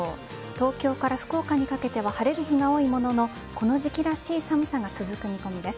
東京から福岡にかけては晴れる日が多いもののこの時期らしい寒さが続く見込みです。